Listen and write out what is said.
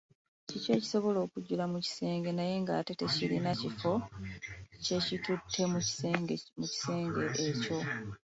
Kiki ekisobola okujjula mu kisenge naye ate nga tekirina kifo kye kitutte mu kisenge ekyo?